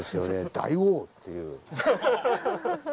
「大王」っていう。